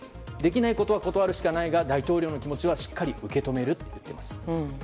できないことは断るしかないが大統領の気持ちはしっかり受け止めると言っています。